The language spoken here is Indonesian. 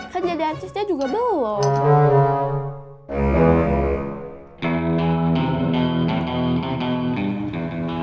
kan jadi aksesnya juga belum